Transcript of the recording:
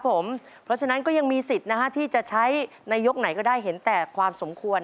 เพราะฉะนั้นก็ยังมีสิทธิ์ที่จะใช้ในยกไหนก็ได้เห็นแต่ความสมควร